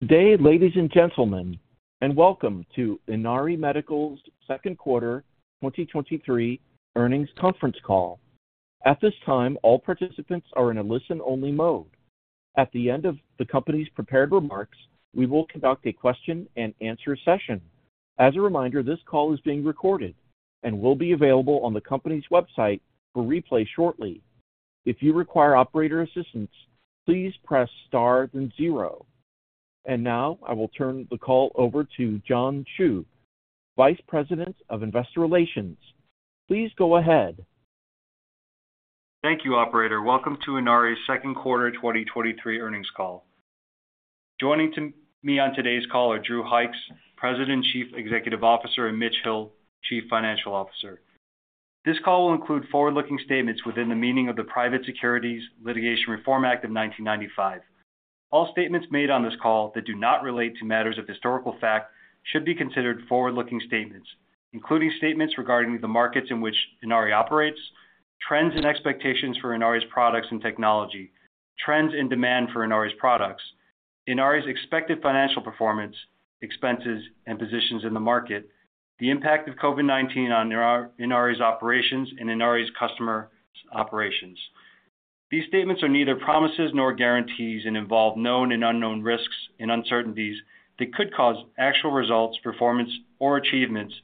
Good day, ladies and gentlemen, and welcome to Inari Medical's Q2 2023 Earnings Conference Call. At this time, all participants are in a listen-only mode. At the end of the company's prepared remarks, we will conduct a question and answer session. As a reminder, this call is being recorded and will be available on the company's website for replay shortly. If you require operator assistance, please press star then zero. Now I will turn the call over to John Chou, Vice President of Investor Relations. Please go ahead. Thank you, operator. Welcome to Inari's Q2 2023 Earnings Call. Joining to me on today's call are Drew Hykes, President, Chief Executive Officer, and Mitch Hill, Chief Financial Officer. This call will include forward-looking statements within the meaning of the Private Securities Litigation Reform Act of 1995. All statements made on this call that do not relate to matters of historical fact should be considered forward-looking statements, including statements regarding the markets in which Inari operates, trends and expectations for Inari's products and technology, trends and demand for Inari's products, Inari's expected financial performance, expenses, and positions in the market, the impact of COVID-19 on Inari's operations and Inari's customer's operations. These statements are neither promises nor guarantees and involve known and unknown risks and uncertainties that could cause actual results, performance, or achievements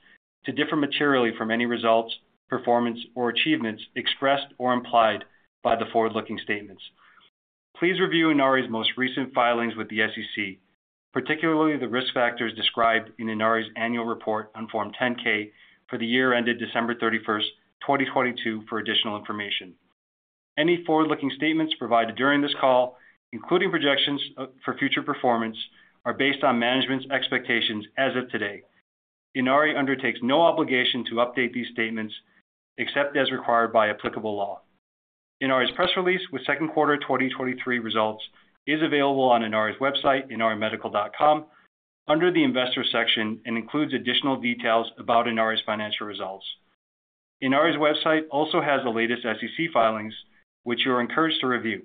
to differ materially from any results, performance, or achievements expressed or implied by the forward-looking statements. Please review Inari's most recent filings with the SEC, particularly the risk factors described in Inari's annual report on Form 10-K for the year ended December 31, 2022, for additional information. Any forward-looking statements provided during this call, including projections for future performance, are based on management's expectations as of today. Inari undertakes no obligation to update these statements except as required by applicable law. Inari's press release with Q2 2023 results is available on Inari's website, inarimedical.com, under the investor section, and includes additional details about Inari's financial results. Inari's website also has the latest SEC filings, which you are encouraged to review.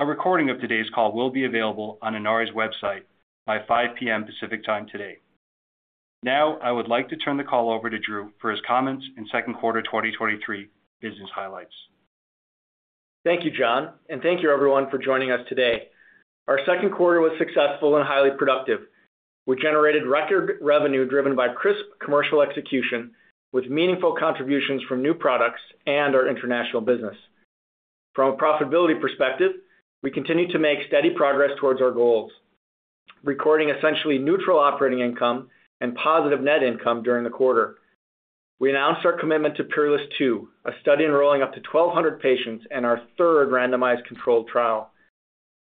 A recording of today's call will be available on Inari's website by 5:00 P.M. Pacific Time today. I would like to turn the call over to Drew for his comments in Q2 2023 business highlights. Thank you, John, and thank you everyone for joining us today. Our Q2 was successful and highly productive. We generated record revenue driven by crisp commercial execution, with meaningful contributions from new products and our international business. From a profitability perspective, we continue to make steady progress towards our goals, recording essentially neutral operating income and positive net income during the quarter. We announced our commitment to PEERLESS II, a study enrolling up to 1,200 patients and our third randomized controlled trial.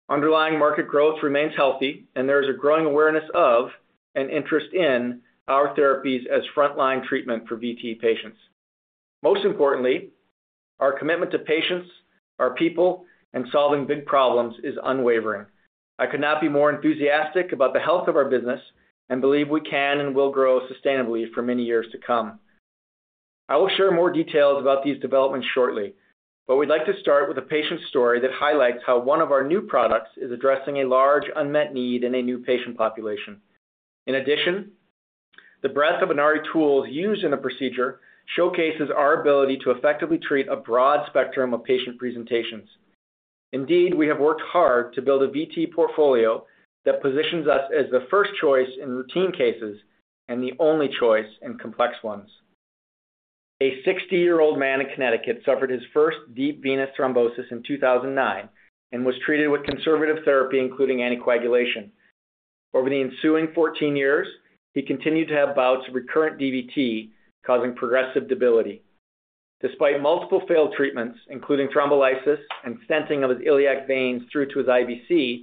Underlying market growth remains healthy, and there is a growing awareness of and interest in our therapies as frontline treatment for VT patients. Most importantly, our commitment to patients, our people, and solving big problems is unwavering. I could not be more enthusiastic about the health of our business and believe we can and will grow sustainably for many years to come. I will share more details about these developments shortly, but we'd like to start with a patient story that highlights how one of our new products is addressing a large unmet need in a new patient population. In addition, the breadth of Inari tools used in the procedure showcases our ability to effectively treat a broad spectrum of patient presentations. Indeed, we have worked hard to build a VT portfolio that positions us as the first choice in routine cases and the only choice in complex ones. A 60-year-old man in Connecticut suffered his first deep venous thrombosis in 2009 and was treated with conservative therapy, including anticoagulation. Over the ensuing 14 years, he continued to have bouts of recurrent DVT, causing progressive debility. Despite multiple failed treatments, including thrombolysis and stenting of his iliac veins through to his IVC,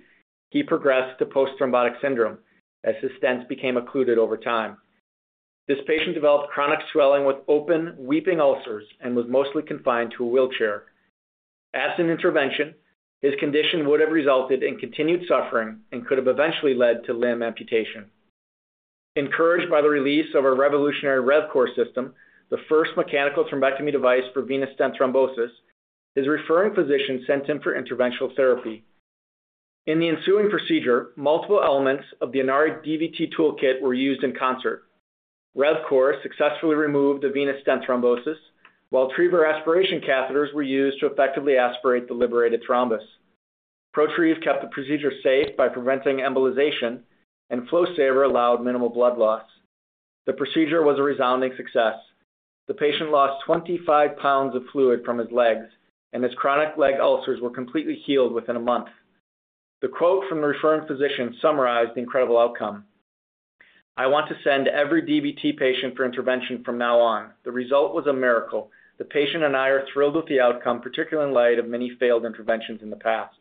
he progressed to post-thrombotic syndrome as his stents became occluded over time. This patient developed chronic swelling with open, weeping ulcers and was mostly confined to a wheelchair. Absent intervention, his condition would have resulted in continued suffering and could have eventually led to limb amputation. Encouraged by the release of our revolutionary RevCore system, the first mechanical thrombectomy device for venous stent thrombosis, his referring physician sent him for interventional therapy. In the ensuing procedure, multiple elements of the Inari DVT toolkit were used in concert. RevCore successfully removed the venous stent thrombosis, while Triever aspiration catheters were used to effectively aspirate the liberated thrombus. Protrieve kept the procedure safe by preventing embolization, and FlowSaver allowed minimal blood loss. The procedure was a resounding success. The patient lost 25 pounds of fluid from his legs, and his chronic leg ulcers were completely healed within a month. The quote from the referring physician summarized the incredible outcome: "I want to send every DVT patient for intervention from now on. The result was a miracle. The patient and I are thrilled with the outcome, particularly in light of many failed interventions in the past."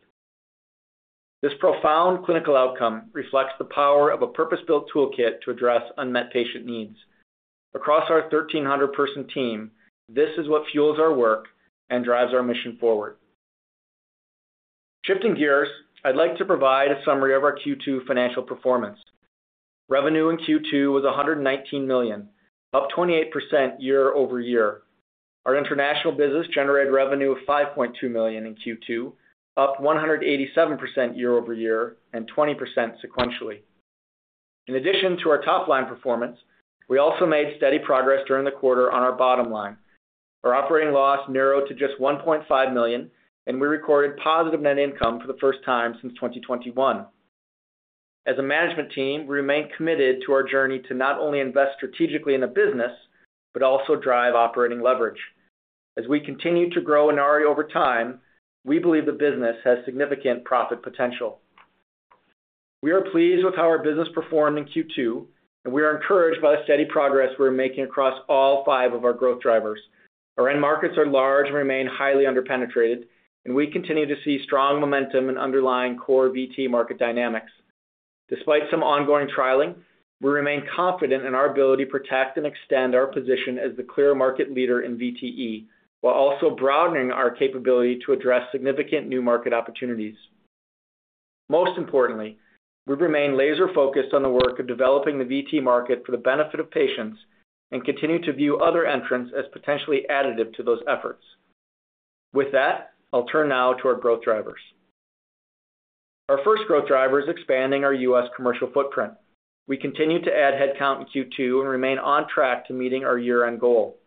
This profound clinical outcome reflects the power of a purpose-built toolkit to address unmet patient needs. Across our 1,300 person team, this is what fuels our work and drives our mission forward. Shifting gears, I'd like to provide a summary of our Q2 financial performance. Revenue in Q2 was $119 million, up 28% year-over-year. Our international business generated revenue of $5.2 million in Q2, up 187% year-over-year and 20% sequentially. In addition to our top-line performance, we also made steady progress during the quarter on our bottom line. Our operating loss narrowed to just $1.5 million. We recorded positive net income for the first time since 2021. As a management team, we remain committed to our journey to not only invest strategically in the business, but also drive operating leverage. As we continue to grow Inari over time, we believe the business has significant profit potential. We are pleased with how our business performed in Q2. We are encouraged by the steady progress we are making across all five of our growth drivers. Our end markets are large and remain highly underpenetrated. We continue to see strong momentum in underlying core VT market dynamics. Despite some ongoing trialing, we remain confident in our ability to protect and extend our position as the clear market leader in VTE, while also broadening our capability to address significant new market opportunities. Most importantly, we remain laser-focused on the work of developing the VT market for the benefit of patients and continue to view other entrants as potentially additive to those efforts. With that, I'll turn now to our growth drivers. Our first growth driver is expanding our U.S. commercial footprint. We continued to add headcount in Q2 and remain on track to meeting our year-end goal.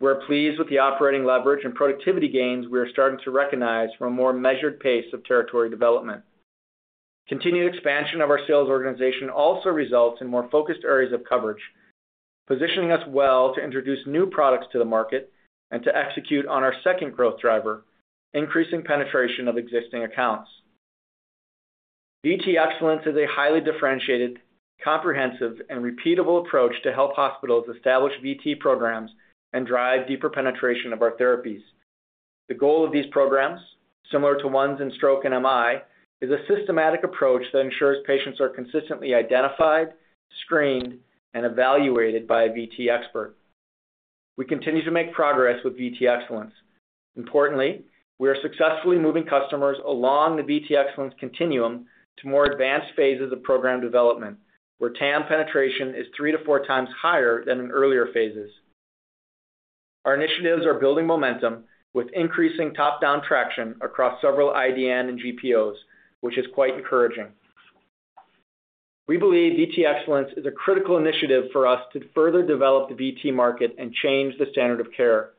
We are pleased with the operating leverage and productivity gains we are starting to recognize from a more measured pace of territory development. Continued expansion of our sales organization also results in more focused areas of coverage, positioning us well to introduce new products to the market and to execute on our second growth driver, increasing penetration of existing accounts. VT Excellence is a highly differentiated, comprehensive, and repeatable approach to help hospitals establish VT programs and drive deeper penetration of our therapies. The goal of these programs, similar to ones in stroke and MI, is a systematic approach that ensures patients are consistently identified, screened, and evaluated by a VT expert. We continue to make progress with VT Excellence. Importantly, we are successfully moving customers along the VT Excellence continuum to more advanced phases of program development, where TAM penetration is three to 4x higher than in earlier phases. Our initiatives are building momentum, with increasing top-down traction across several IDN and GPOs, which is quite encouraging. We believe VT Excellence is a critical initiative for us to further develop the VT market and change the standard of care.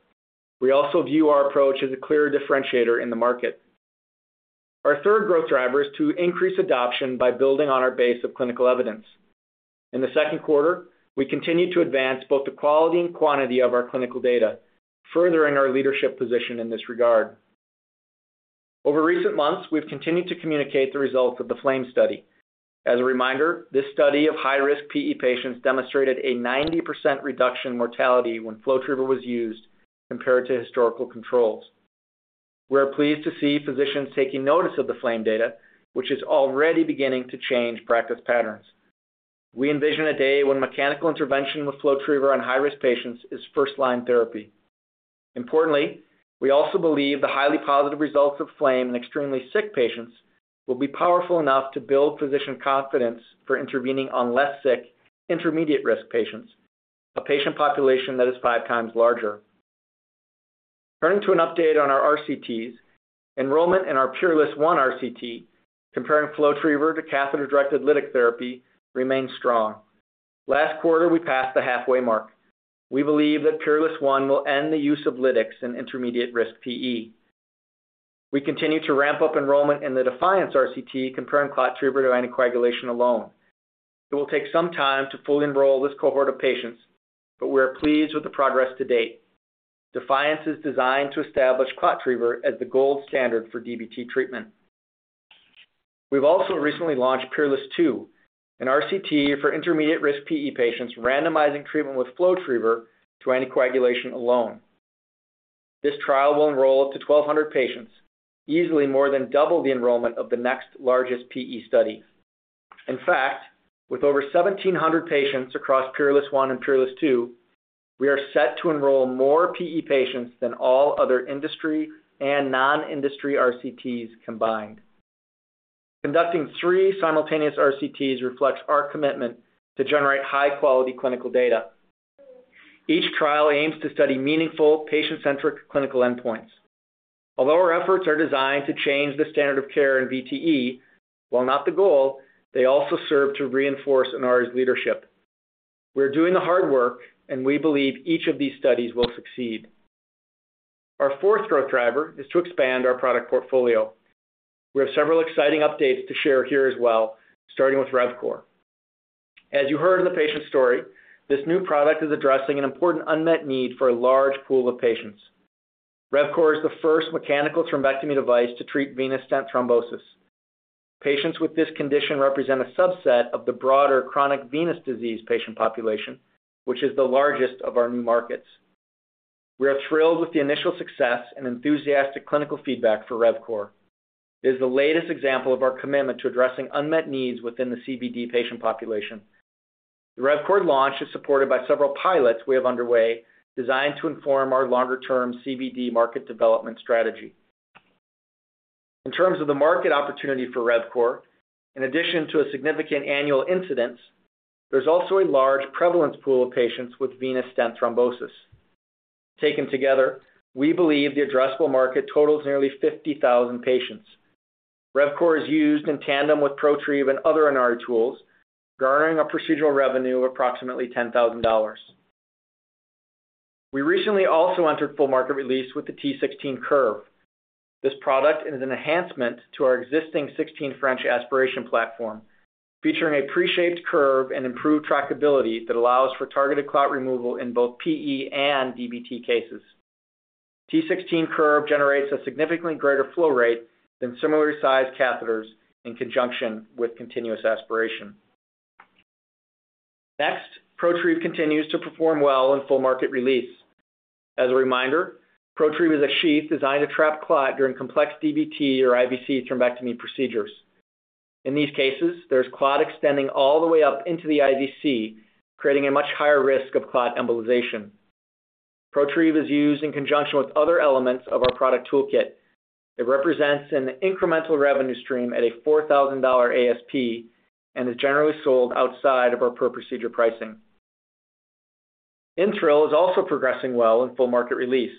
We also view our approach as a clear differentiator in the market. Our third growth driver is to increase adoption by building on our base of clinical evidence. In Q2, we continued to advance both the quality and quantity of our clinical data, furthering our leadership position in this regard. Over recent months, we've continued to communicate the results of the FLAME study. As a reminder, this study of high-risk PE patients demonstrated a 90% reduction in mortality when FlowTriever was used compared to historical controls. We are pleased to see physicians taking notice of the FLAME data, which is already beginning to change practice patterns. We envision a day when mechanical intervention with FlowTriever on high-risk patients is first-line therapy. Importantly, we also believe the highly positive results of FLAME in extremely sick patients will be powerful enough to build physician confidence for intervening on less sick, intermediate-risk patients, a patient population that is five times larger. Turning to an update on our RCTs, enrollment in our PEERLESS I RCT, comparing FlowTriever to catheter-directed lytic therapy, remains strong. Last quarter, we passed the halfway mark. We believe that PEERLESS I will end the use of lytics in intermediate-risk PE. We continue to ramp up enrollment in the DEFIANCE RCT, comparing ClotTriever to anticoagulation alone. It will take some time to fully enroll this cohort of patients, but we are pleased with the progress to date. DEFIANCE is designed to establish ClotTriever as the gold standard for DVT treatment. We've also recently launched PEERLESS II, an RCT for intermediate-risk PE patients randomizing treatment with FlowTriever to anticoagulation alone. This trial will enroll up to 1,200 patients, easily more than double the enrollment of the next largest PE study. In fact, with over 1,700 patients across PEERLESS I and PEERLESS II, we are set to enroll more PE patients than all other industry and non-industry RCTs combined. Conducting three simultaneous RCTs reflects our commitment to generate high-quality clinical data. Each trial aims to study meaningful, patient-centric clinical endpoints. Although our efforts are designed to change the standard of care in VTE, while not the goal, they also serve to reinforce Inari's leadership. We're doing the hard work, and we believe each of these studies will succeed. Our fourth growth driver is to expand our product portfolio. We have several exciting updates to share here as well, starting with RevCore. As you heard in the patient story, this new product is addressing an important unmet need for a large pool of patients. RevCore is the first mechanical thrombectomy device to treat venous stent thrombosis. Patients with this condition represent a subset of the broader chronic venous disease patient population, which is the largest of our new markets. We are thrilled with the initial success and enthusiastic clinical feedback for RevCore. It is the latest example of our commitment to addressing unmet needs within the CVD patient population. The RevCore launch is supported by several pilots we have underway, designed to inform our longer-term CVD market development strategy. In terms of the market opportunity for RevCore, in addition to a significant annual incidence, there's also a large prevalent pool of patients with venous stent thrombosis. Taken together, we believe the addressable market totals nearly 50,000 patients. RevCore is used in tandem with Protrieve and other Inari tools, garnering a procedural revenue of approximately $10,000. We recently also entered full market release with the T16 Curve. This product is an enhancement to our existing 16 French aspiration platform, featuring a pre-shaped curve and improved tractability that allows for targeted clot removal in both PE and DVT cases. T16 Curve generates a significantly greater flow rate than similarly sized catheters in conjunction with continuous aspiration. Protrieve continues to perform well in full market release. As a reminder, Protrieve is a sheath designed to trap clot during complex DVT or IVC thrombectomy procedures. In these cases, there's clot extending all the way up into the IVC, creating a much higher risk of clot embolization. Protrieve is used in conjunction with other elements of our product toolkit. It represents an incremental revenue stream at a $4,000 ASP and is generally sold outside of our per-procedure pricing. Intro is also progressing well in full market release.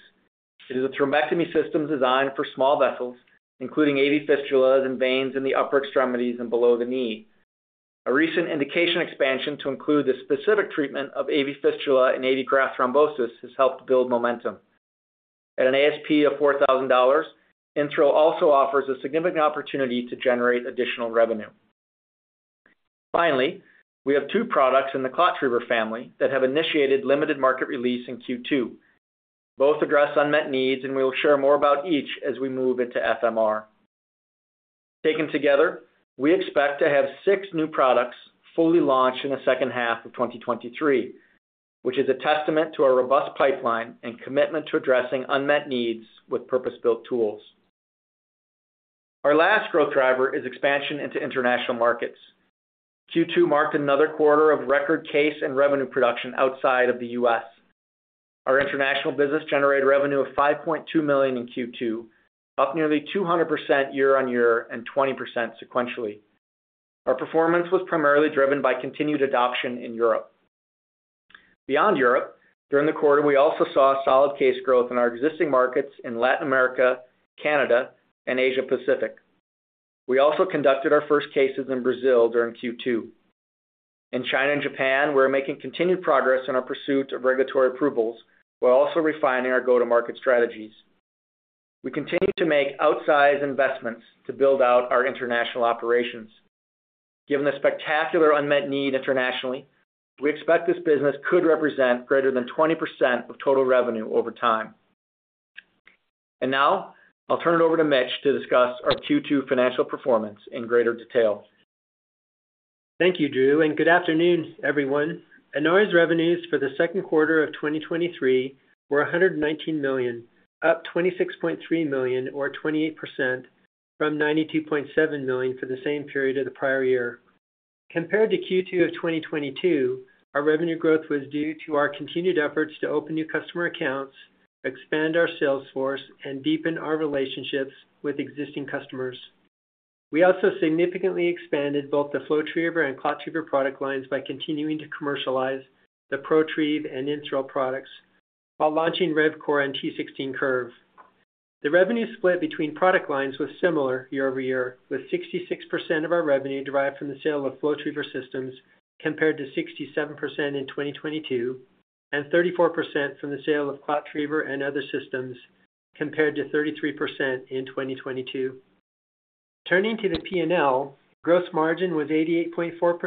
It is a thrombectomy system designed for small vessels, including AV fistulas and veins in the upper extremities and below the knee. A recent indication expansion to include the specific treatment of AV fistula and AV graft thrombosis has helped build momentum. At an ASP of $4,000, InThrill also offers a significant opportunity to generate additional revenue. Finally, we have two products in the ClotTriever family that have initiated limited market release in Q2. Both address unmet needs, and we will share more about each as we move into FMR. Taken together, we expect to have six new products fully launched in the second half of 2023, which is a testament to our robust pipeline and commitment to addressing unmet needs with purpose-built tools. Our last growth driver is expansion into international markets. Q2 marked another quarter of record case and revenue production outside of the U.S. Our international business generated revenue of $5.2 million in Q2, up nearly 200% year-on-year and 20% sequentially. Our performance was primarily driven by continued adoption in Europe. Beyond Europe, during the quarter, we also saw solid case growth in our existing markets in Latin America, Canada, and Asia Pacific. We also conducted our first cases in Brazil during Q2. In China and Japan, we're making continued progress in our pursuit of regulatory approvals, while also refining our go-to-market strategies. We continue to make outsized investments to build out our international operations. Given the spectacular unmet need internationally, we expect this business could represent greater than 20% of total revenue over time. Now, I'll turn it over to Mitch to discuss our Q2 financial performance in greater detail. Thank you, Drew, and good afternoon, everyone. Inari's revenues for Q2 of 2023 were $119 up 26.3 million or 28% from 92.7 million for the same period of the prior year. Compared to Q2 of 2022, our revenue growth was due to our continued efforts to open new customer accounts, expand our sales force, and deepen our relationships with existing customers. We also significantly expanded both the FlowTriever and ClotTriever product lines by continuing to commercialize the Protrieve and Intro products while launching RevCore and T16 Curve. The revenue split between product lines was similar year-over-year, with 66% of our revenue derived from the sale of FlowTriever systems, compared to 67% in 2022, and 34% from the sale of ClotTriever and other systems, compared to 33% in 2022. Turning to the P&L, gross margin was 88.4% for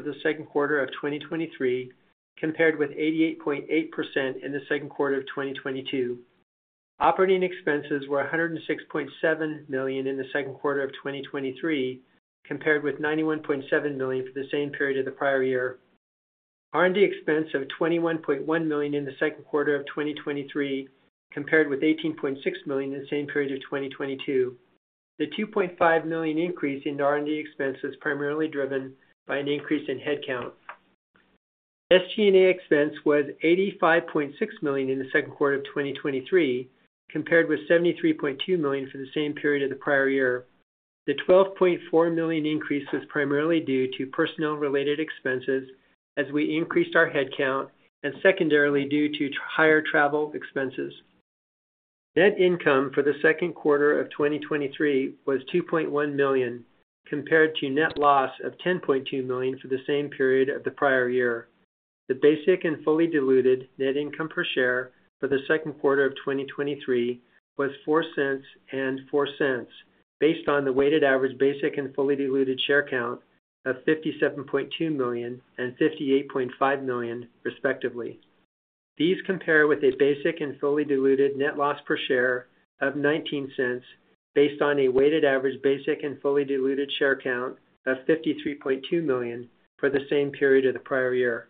Q2 of 2023, compared with 88.8% in Q2 of 2022. Operating expenses were $106.7 in Q2 of 2023, compared with 91.7 million for the same period of the prior year. R&D expense of $21.1 in Q2 of 2023, compared with 18.6 million in the same period of 2022. The $2.5 million increase in R&D expense was primarily driven by an increase in headcount. SG&A expense was $85.6 in Q2 of 2023, compared with 73.2 million for the same period of the prior year. The $12.4 million increase was primarily due to personnel-related expenses as we increased our headcount, and secondarily due to higher travel expenses. Net income for Q2 of 2023 was $2.1 compared to net loss of 10.2 million for the same period of the prior year. The basic and fully diluted net income per share for Q2 of 2023 was $0.04 and 0.04, based on the weighted average basic and fully diluted share count of 57.2 and 58.5 million, respectively. These compare with a basic and fully diluted net loss per share of $0.19, based on a weighted average basic and fully diluted share count of 53.2 million for the same period of the prior year.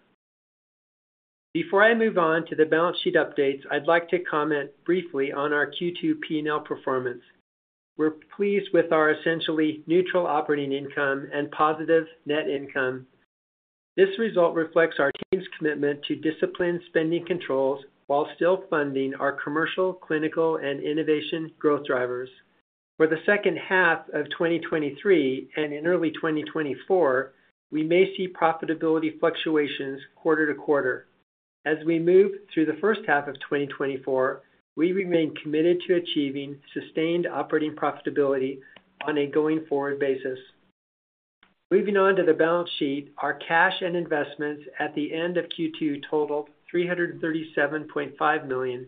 Before I move on to the balance sheet updates, I'd like to comment briefly on our Q2 P&L performance. We're pleased with our essentially neutral operating income and positive net income. This result reflects our team's commitment to disciplined spending controls while still funding our commercial, clinical, and innovation growth drivers. For the second half of 2023 and in early 2024, we may see profitability fluctuations quarter to quarter. As we move through the first half of 2024, we remain committed to achieving sustained operating profitability on a going-forward basis. Moving on to the balance sheet, our cash and investments at the end of Q2 totaled $337.5 million,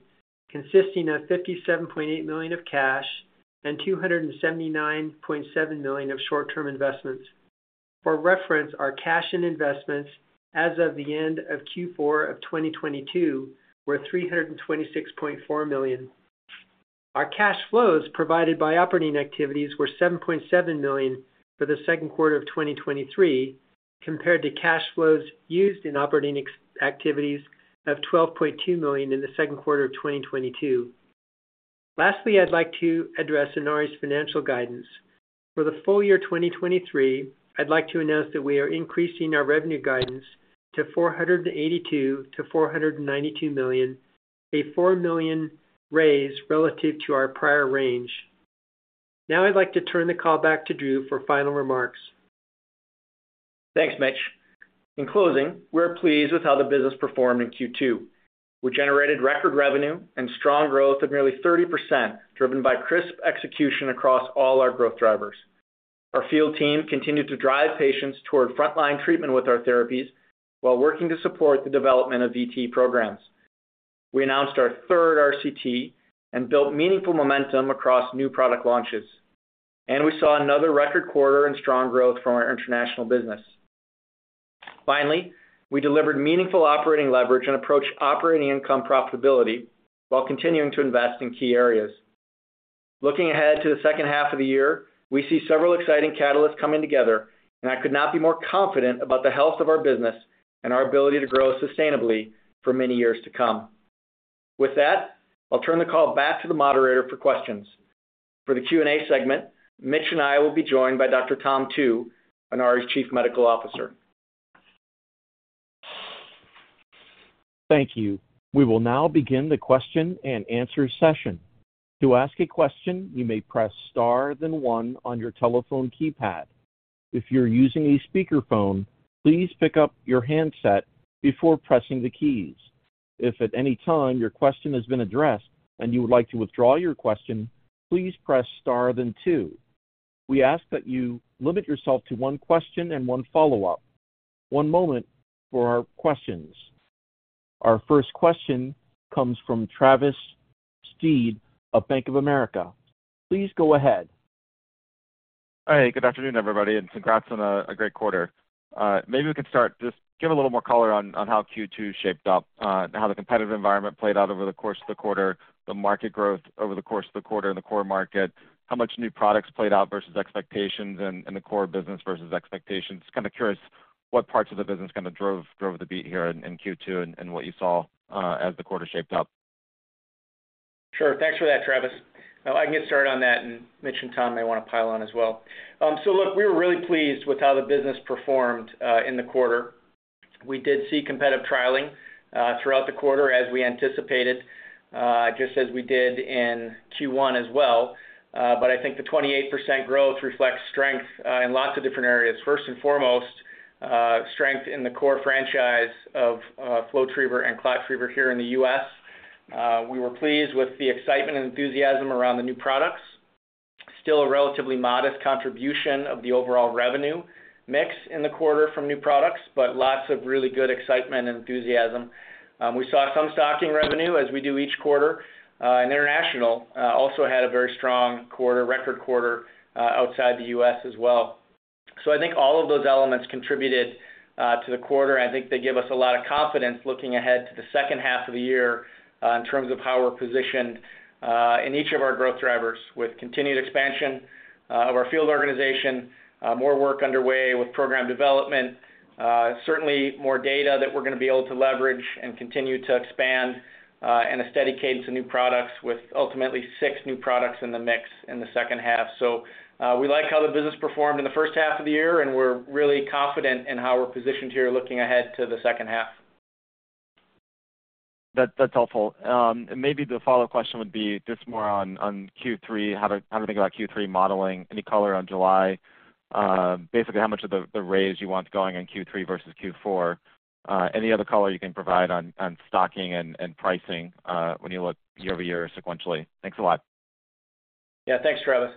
consisting of 57.8 million of cash and 279.7 million of short-term investments. For reference, our cash and investments as of the end of Q4 of 2022 were $326.4 million. Our cash flows provided by operating activities were $7.7 for Q2 of 2023, compared to cash flows used in operating activities of 12.2 million in Q2 of 2022. Lastly, I'd like to address Inari's financial guidance. For the full year 2023, I'd like to announce that we are increasing our revenue guidance to $482-492 million, a $4 million raise relative to our prior range. I'd like to turn the call back to Drew for final remarks. Thanks, Mitch. In closing, we're pleased with how the business performed in Q2. We generated record revenue and strong growth of nearly 30%, driven by crisp execution across all our growth drivers. Our field team continued to drive patients toward frontline treatment with our therapies while working to support the development of VT programs. We announced our third RCT and built meaningful momentum across new product launches, and we saw another record quarter in strong growth from our international business. Finally, we delivered meaningful operating leverage and approached operating income profitability while continuing to invest in key areas. Looking ahead to the second half of the year, we see several exciting catalysts coming together, and I could not be more confident about the health of our business and our ability to grow sustainably for many years to come. With that, I'll turn the call back to the moderator for questions. For the Q&A segment, Mitch and I will be joined by Dr. Thomas Tu, Inari's Chief Medical Officer. Thank you. We will now begin the question and answer session. To ask a question, you may press star then one on your telephone keypad. If you're using a speakerphone, please pick up your handset before pressing the keys. If at any time your question has been addressed and you would like to withdraw your question, please press star then two. We ask that you limit yourself to one question and one follow-up. One moment for our questions. Our first question comes from Travis Steed of Bank of America. Please go ahead. Hi, good afternoon, everybody, and congrats on a, a great quarter. Maybe we could start, just give a little more color on, on how Q2 shaped up, and how the competitive environment played out over the course of the quarter, the market growth over the course of the quarter and the core market, how much new products played out versus expectations and, and the core business versus expectations. Just kind of curious what parts of the business kind of drove, drove the beat here in, in Q2 and, and what you saw, as the quarter shaped up? Sure. Thanks for that, Travis. I can get started on that, and Mitch and Tom may want to pile on as well. Look, we were really pleased with how the business performed in the quarter. We did see competitive trialing throughout the quarter as we anticipated, just as we did in Q1 as well. I think the 28% growth reflects strength in lots of different areas. First and foremost, strength in the core franchise of FlowTriever and ClotTriever here in the U.S. We were pleased with the excitement and enthusiasm around the new products. Still a relatively modest contribution of the overall revenue mix in the quarter from new products, but lots of really good excitement and enthusiasm. We saw some stocking revenue, as we do each quarter. And international also had a very strong quarter, record quarter outside the U.S. as well. I think all of those elements contributed to the quarter, and I think they give us a lot of confidence looking ahead to the second half of the year in terms of how we're positioned in each of our growth drivers, with continued expansion of our field organization, more work underway with program development, certainly more data that we're going to be able to leverage and continue to expand, and a steady cadence of new products with ultimately six new products in the mix in the second half. We like how the business performed in the first half of the year, and we're really confident in how we're positioned here looking ahead to the second half. That, that's helpful. Maybe the follow-up question would be just more on Q3, how to think about Q3 modeling, any color on July? Basically, how much of the raise you want going in Q3 versus Q4? Any other color you can provide on stocking and pricing, when you look year-over-year sequentially? Thanks a lot. Yeah, thanks, Travis.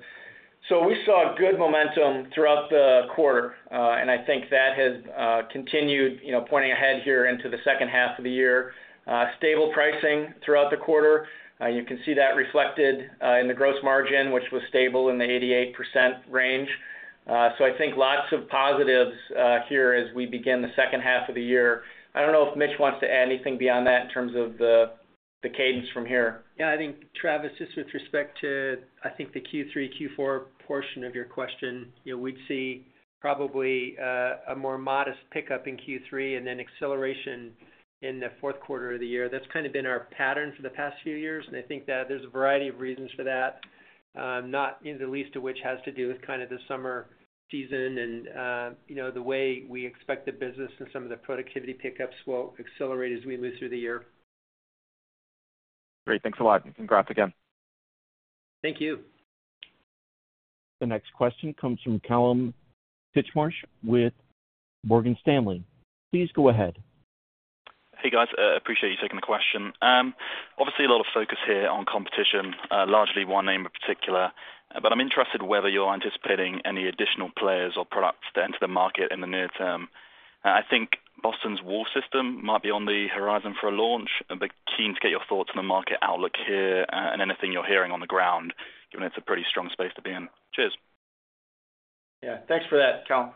We saw good momentum throughout the quarter, and I think that has continued, you know, pointing ahead here into the second half of the year. Stable pricing throughout the quarter. You can see that reflected in the gross margin, which was stable in the 88% range. I think lots of positives here as we begin the second half of the year. I don't know if Mitch wants to add anything beyond that in terms of the cadence from here. I think, Travis, just with respect to, I think, the Q3, Q4 portion of your question, you know, we'd see probably a more modest pickup in Q3 and then acceleration in Q4 of the year. That's kind of been our pattern for the past few years, and I think that there's a variety of reasons for that, not in the least of which has to do with kind of the summer season and, you know, the way we expect the business and some of the productivity pickups will accelerate as we move through the year. Great. Thanks a lot, and congrats again. Thank you. The next question comes from Kallum Titchmarsh with Morgan Stanley. Please go ahead. Hey, guys. Appreciate you taking the question. Obviously, a lot of focus here on competition, largely one name in particular. I'm interested whether you're anticipating any additional players or products to enter the market in the near term. I think Boston's WALLSTENT might be on the horizon for a launch, but keen to get your thoughts on the market outlook here, and anything you're hearing on the ground, given it's a pretty strong space to be in. Cheers. Yeah. Thanks for that, Kallum.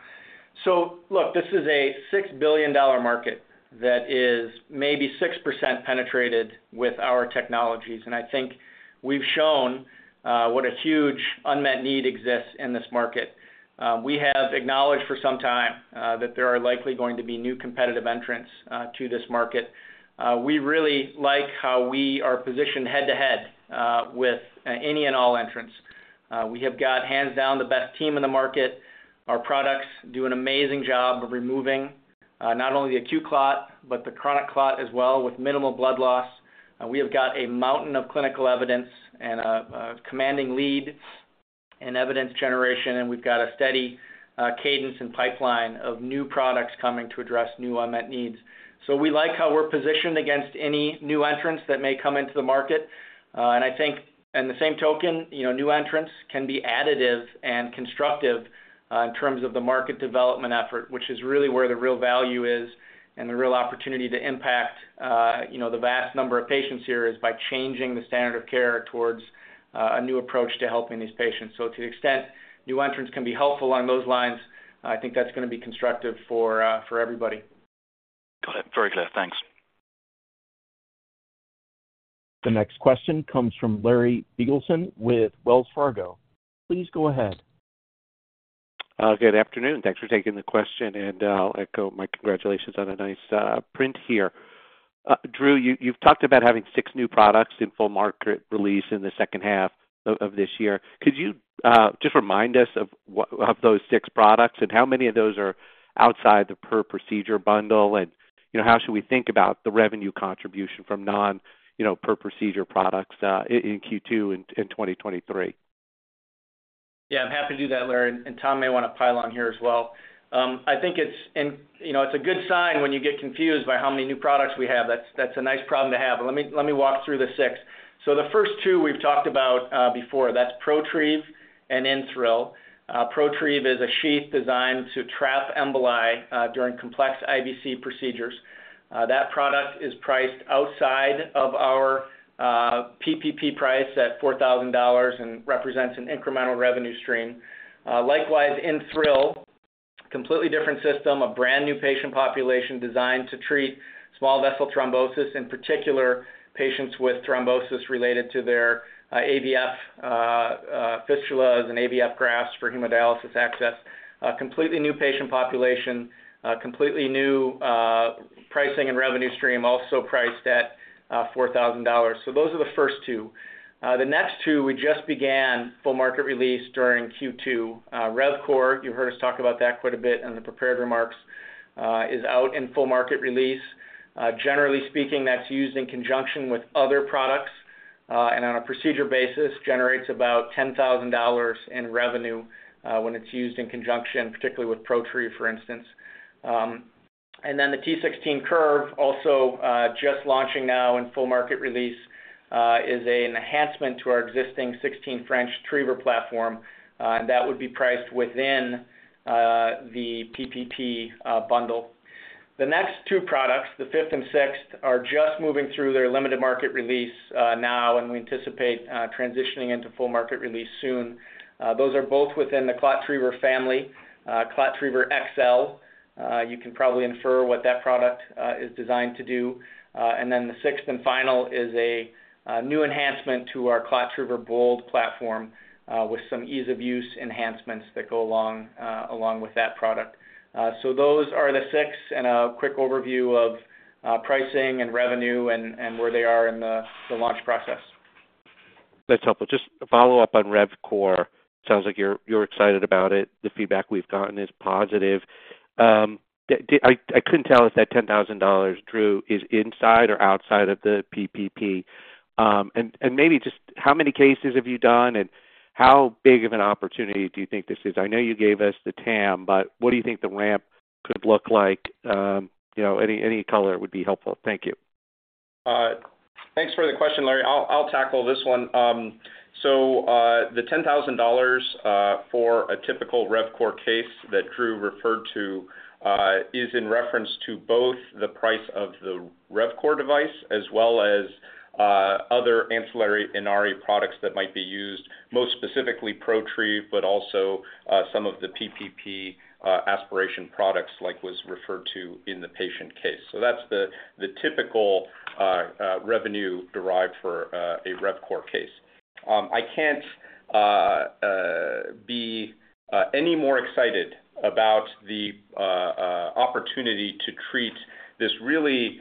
Look, this is a $6 billion market that is maybe 6% penetrated with our technologies. I think we've shown what a huge unmet need exists in this market. We have acknowledged for some time that there are likely going to be new competitive entrants to this market. We really like how we are positioned head-to-head with any and all entrants. We have got hands down the best team in the market. Our products do an amazing job of removing not only the acute clot, but the chronic clot as well, with minimal blood loss. We have got a mountain of clinical evidence and a commanding lead in evidence generation. We've got a steady cadence and pipeline of new products coming to address new unmet needs. We like how we're positioned against any new entrants that may come into the market. In the same token, you know, new entrants can be additive and constructive, in terms of the market development effort, which is really where the real value is and the real opportunity to impact, you know, the vast number of patients here, is by changing the standard of care towards, a new approach to helping these patients. To the extent new entrants can be helpful along those lines, I think that's going to be constructive for, for everybody. Got it. Very clear. Thanks. The next question comes from Larry Biegelsen with Wells Fargo. Please go ahead. Good afternoon. Thanks for taking the question, and I'll echo my congratulations on a nice print here. Drew, you, you've talked about having six new products in full market release in the H2 of this year. Could you just remind us of what, of those six products, and how many of those are outside the per procedure bundle? You know, how should we think about the revenue contribution from non, you know, per procedure products in Q2 in 2023? Yeah, I'm happy to do that, Larry, and Tom may want to pile on here as well. I think it's, and, you know, it's a good sign when you get confused by how many new products we have. That's, that's a nice problem to have. Let me, let me walk through the six. The first two we've talked about before, that's Protrieve and InThrill. Protrieve is a sheath designed to trap emboli during complex IVC procedures. That product is priced outside of our PPP price at $4,000 and represents an incremental revenue stream. Likewise, InThrill, completely different system, a brand new patient population designed to treat small vessel thrombosis, in particular patients with thrombosis related to their AVF fistulas and AVF grafts for hemodialysis access. A completely new patient population, a completely new, pricing and revenue stream, also priced at, $4,000. Those are the first two. The next two, we just began full market release during Q2. RevCore, you heard us talk about that quite a bit in the prepared remarks, is out in full market release. Generally speaking, that's used in conjunction with other products, and on a procedure basis, generates about $10,000 in revenue, when it's used in conjunction, particularly with Protrieve, for instance. Then the T16 Curve, also, just launching now in full market release, is an enhancement to our existing 16 French retriever platform, and that would be priced within, the PPP, bundle. The next two products, the fifth and sixth, are just moving through their limited market release now, and we anticipate transitioning into full market release soon. Those are both within the ClotTriever family. ClotTriever XL, you can probably infer what that product is designed to do. And then the sixth and final is a new enhancement to our ClotTriever BOLD platform, with some ease of use enhancements that go along along with that product. So those are the six and a quick overview of pricing and revenue and, and where they are in the launch process. That's helpful. Just a follow-up on RevCore. Sounds like you're, you're excited about it. The feedback we've gotten is positive. I couldn't tell if that $10,000, Drew, is inside or outside of the PPP. Maybe just how many cases have you done, and how big of an opportunity do you think this is? I know you gave us the TAM, but what do you think the ramp could look like? You know, any, any color would be helpful. Thank you. Thanks for the question, Larry. I'll, I'll tackle this one. The $10,000 for a typical RevCore case that Drew referred to is in reference to both the price of the RevCore device as well as other ancillary Inari products that might be used, most specifically Protrieve, but also some of the PPP aspiration products, like was referred to in the patient case. That's the typical revenue derived for a RevCore case. I can't be any more excited about the opportunity to treat this really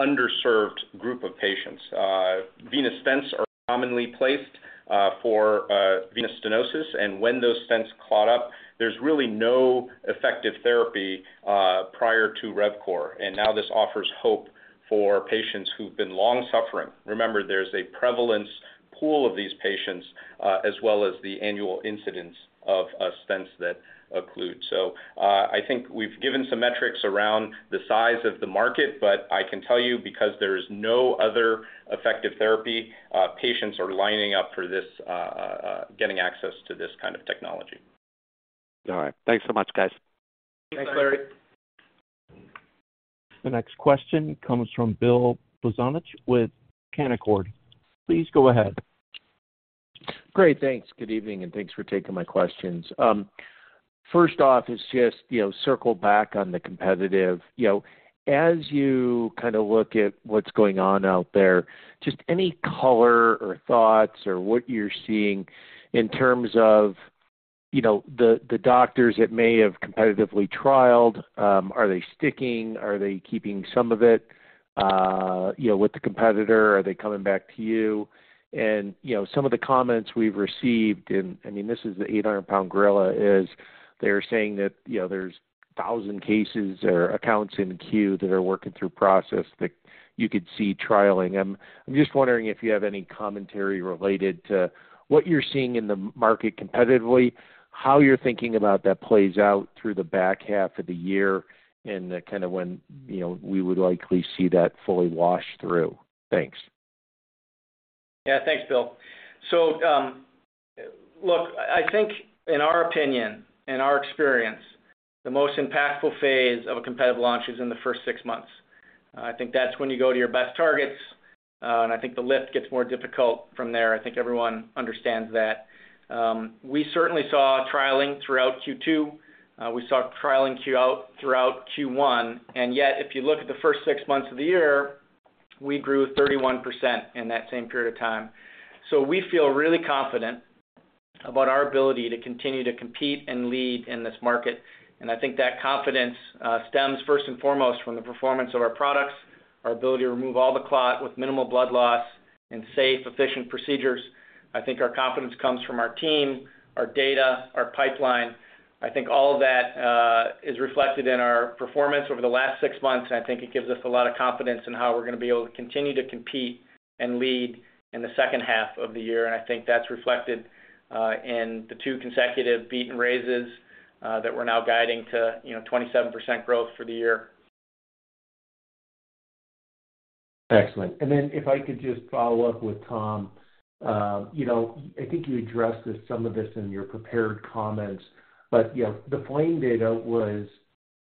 underserved group of patients. Venous stents are commonly placed for venous stenosis, and when those stents clot up, there's really no effective therapy prior to RevCore. Now this offers hope for patients who've been long suffering. Remember, there's a pool of these patients, as well as the annual incidence of stents that occlude. I think we've given some metrics around the size of the market, but I can tell you, because there is no other effective therapy, patients are lining up for this, getting access to this kind of technology. All right. Thanks so much, guys. Thanks, Larry. The next question comes from Bill Plovanich with Canaccord. Please go ahead. Great, thanks. Good evening, and thanks for taking my questions. First off, is just, you know, circle back on the competitive. You know, as you kind of look at what's going on out there, just any color or thoughts or what you're seeing in terms of, you know, the, the doctors that may have competitively trialed, are they sticking? Are they keeping some of it, you know, with the competitor, or are they coming back to you? You know, some of the comments we've received, and, I mean, this is the 800-pound gorilla, is they're saying that, you know, there's 1,000 cases or accounts in queue that are working through process that you could see trialing. I'm just wondering if you have any commentary related to what you're seeing in the market competitively, how you're thinking about that plays out through the back half of the year, and kind of when, you know, we would likely see that fully wash through. Thanks. Yeah, thanks, Bill. Look, I think in our opinion and our experience, the most impactful phase of a competitive launch is in the first six months. I think that's when you go to your best targets, and I think the lift gets more difficult from there. I think everyone understands that. We certainly saw trialing throughout Q2. We saw trialing throughout Q1, and yet, if you look at the first six months of the year, we grew 31% in that same period of time. We feel really confident about our ability to continue to compete and lead in this market. I think that confidence, stems first and foremost from the performance of our products, our ability to remove all the clot with minimal blood loss and safe, efficient procedures. I think our confidence comes from our team, our data, our pipeline. I think all of that is reflected in our performance over the last six months, and I think it gives us a lot of confidence in how we're going to be able to continue to compete and lead in the second half of the year. I think that's reflected in the two consecutive beat and raises that we're now guiding to, you know, 27% growth for the year. Excellent. Then if I could just follow up with Tom. You know, I think you addressed this, some of this in your prepared comments, but, you know, the FLAME data was,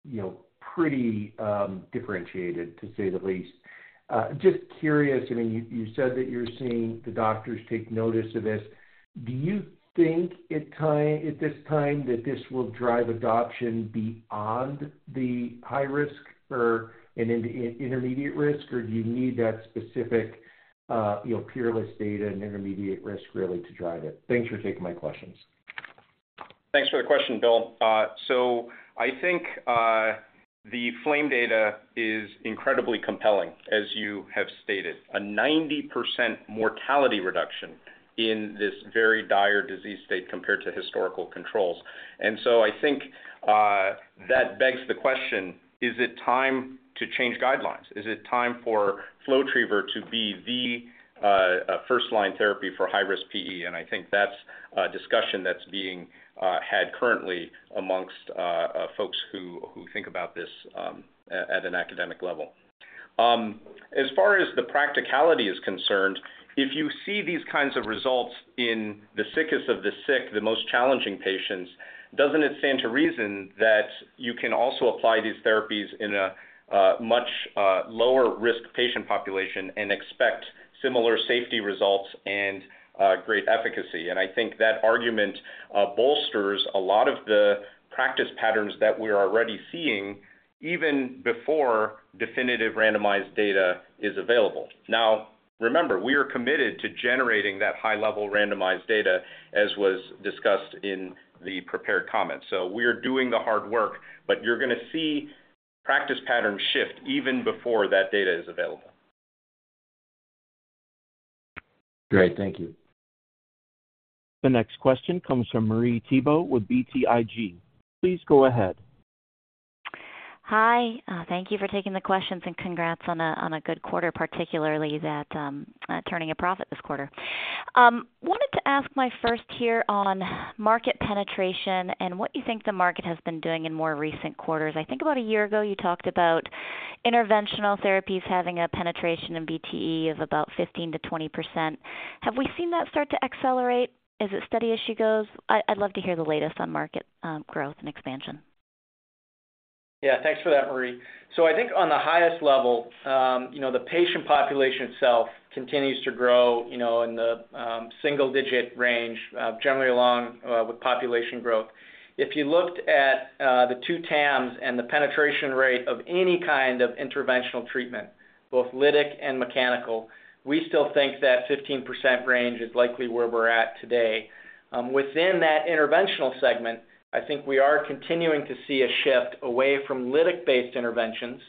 you know, pretty differentiated, to say the least. Just curious, I mean, you, you said that you're seeing the doctors take notice of this. Do you think at this time, that this will drive adoption beyond the high risk or an intermediate risk, or do you need that specific, you know, PEERLESS data and intermediate risk really to drive it? Thanks for taking my questions. Thanks for the question, Bill. I think the FLAME data is incredibly compelling, as you have stated. A 90% mortality reduction in this very dire disease state compared to historical controls. I think that begs the question: Is it time to change guidelines? Is it time for FlowTriever to be the first-line therapy for high-risk PE? I think that's a discussion that's being had currently amongst folks who, who think about this at an academic level. As far as the practicality is concerned, if you see these kinds of results in the sickest of the sick, the most challenging patients, doesn't it stand to reason that you can also apply these therapies in a much lower risk patient population and expect similar safety results and great efficacy? I think that argument bolsters a lot of the practice patterns that we're already seeing even before definitive randomized data is available. Remember, we are committed to generating that high-level randomized data, as was discussed in the prepared comments. We are doing the hard work, but you're going to see practice patterns shift even before that data is available. Great. Thank you. The next question comes from Marie Thibault with BTIG. Please go ahead. Hi, thank you for taking the questions. Congrats on a good quarter, particularly that turning a profit this quarter. Wanted to ask my first here on market penetration and what you think the market has been doing in more recent quarters. I think about a year ago, you talked about interventional therapies having a penetration in VTE of about 15%-20%. Have we seen that start to accelerate? Is it steady as she goes? I'd love to hear the latest on market growth and expansion. Yeah. Thanks for that, Marie. I think on the highest level, you know, the patient population itself continues to grow, you know, in the single-digit range, generally along with population growth. If you looked at the two TAMs and the penetration rate of any kind of interventional treatment, both lytic and mechanical, we still think that 15% range is likely where we're at today. Within that interventional segment, I think we are continuing to see a shift away from lytic-based interventions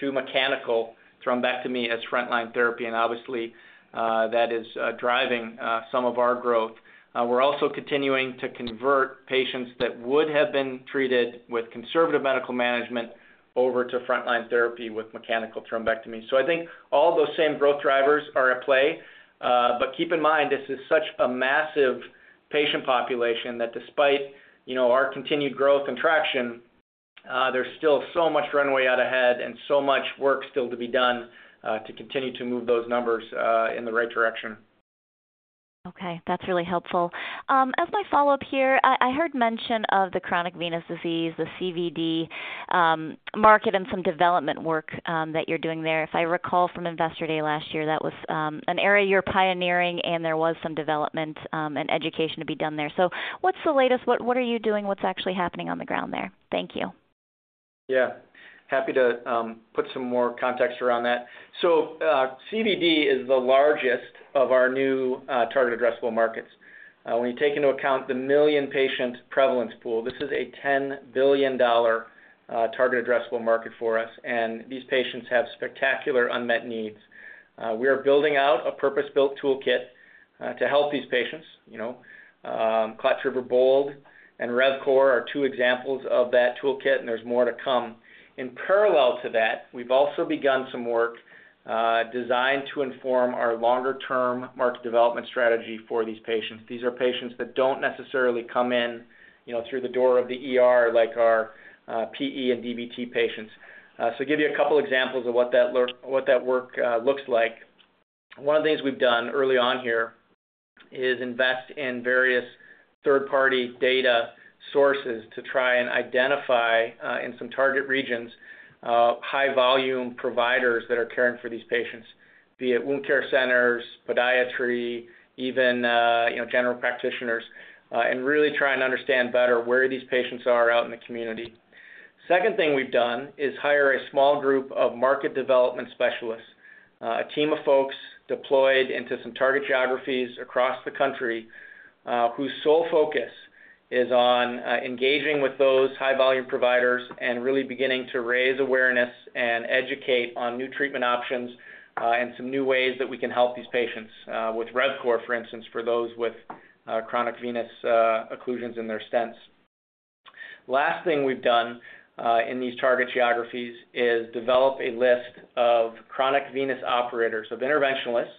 to mechanical thrombectomy as frontline therapy, obviously, that is driving some of our growth. We're also continuing to convert patients that would have been treated with conservative medical management over to frontline therapy with mechanical thrombectomy. I think all those same growth drivers are at play, but keep in mind, this is such a massive patient population that despite, you know, our continued growth and traction, there's still so much runway out ahead and so much work still to be done, to continue to move those numbers, in the right direction. Okay, that's really helpful. As my follow-up here, I, I heard mention of the chronic venous disease, the CVD, market, and some development work that you're doing there. If I recall from Investor Day last year, that was an area you're pioneering, and there was some development and education to be done there. What's the latest? What, what are you doing? What's actually happening on the ground there? Thank you. Yeah. Happy to put some more context around that. CVD is the largest of our new target addressable markets. When you take into account the one million patient prevalence pool, this is a $10 billion target addressable market for us, and these patients have spectacular unmet needs. We are building out a purpose-built toolkit to help these patients. You know, ClotTriever BOLD and RevCore are two examples of that toolkit, and there's more to come. In parallel to that, we've also begun some work designed to inform our longer-term market development strategy for these patients. These are patients that don't necessarily come in, you know, through the door of the ER, like our PE and DVT patients. Give you a couple examples of what that work looks like. One of the things we've done early on here is invest in various third-party data sources to try and identify in some target regions, high volume providers that are caring for these patients, be it wound care centers, podiatry, even, you know, general practitioners, and really trying to understand better where these patients are out in the community. Second thing we've done is hire a small group of market development specialists, a team of folks deployed into some target geographies across the country, whose sole focus is on engaging with those high-volume providers and really beginning to raise awareness and educate on new treatment options, and some new ways that we can help these patients with RevCore, for instance, for those with chronic venous occlusions in their stents. Last thing we've done in these target geographies is develop a list of chronic venous operators, of interventionalists,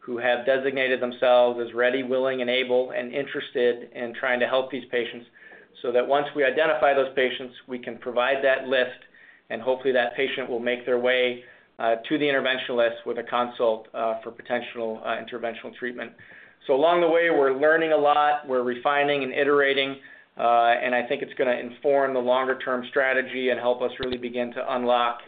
who have designated themselves as ready, willing, and able, and interested in trying to help these patients, so that once we identify those patients, we can provide that list, and hopefully that patient will make their way to the interventionalist with a consult for potential interventional treatment. Along the way, we're learning a lot. We're refining and iterating, and I think it's gonna inform the longer-term strategy and help us really begin to unlock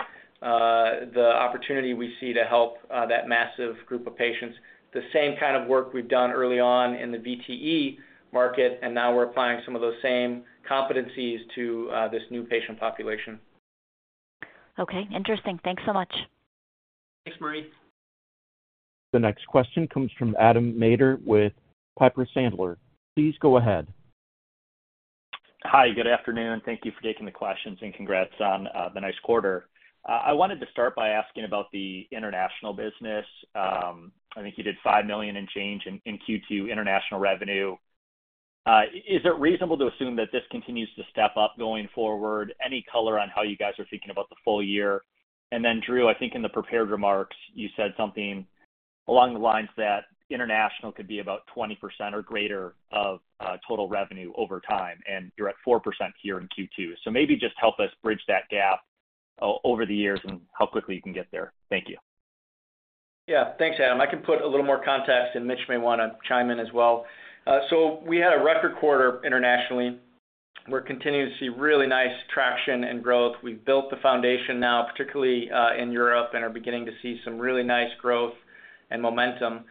the opportunity we see to help that massive group of patients. The same kind of work we've done early on in the VTE market, and now we're applying some of those same competencies to this new patient population. Okay, interesting. Thanks so much. Thanks, Marie. The next question comes from Adam Maeder with Piper Sandler. Please go ahead. Hi, good afternoon. Thank you for taking the questions, congrats on the nice quarter. I wanted to start by asking about the international business. I think you did $5 million in change in Q2 international revenue. Is it reasonable to assume that this continues to step up going forward? Any color on how you guys are thinking about the full year? Drew, I think in the prepared remarks, you said something along the lines that international could be about 20% or greater of total revenue over time, and you're at 4% here in Q2. Maybe just help us bridge that gap over the years and how quickly you can get there. Thank you. Yeah. Thanks, Adam. I can put a little more context, and Mitch may wanna chime in as well. We had a record quarter internationally. We're continuing to see really nice traction and growth. We've built the foundation now, particularly in Europe, and are beginning to see some really nice growth and momentum.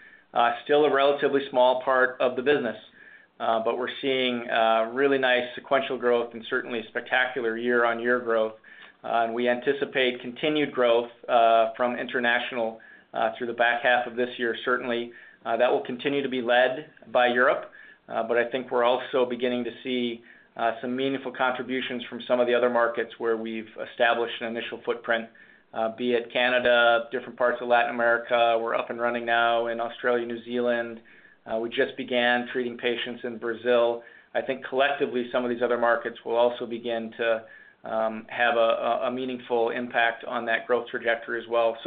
Still a relatively small part of the business, but we're seeing really nice sequential growth and certainly spectacular year-on-year growth. We anticipate continued growth from international through the back half of this year. Certainly, that will continue to be led by Europe, but I think we're also beginning to see some meaningful contributions from some of the other markets where we've established an initial footprint, be it Canada, different parts of Latin America. We're up and running now in Australia, New Zealand. We just began treating patients in Brazil. I think collectively, some of these other markets will also begin to have a meaningful impact on that growth trajectory as well.